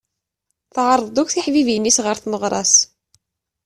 Teɛreḍ-d akk tiḥbibin-is ɣer tmeɣra-s.